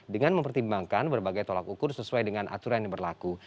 dengan mempertimbangkan berbagai tolak ukur sesuai dengan aturan yang berlaku